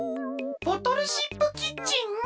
ボトルシップキッチン？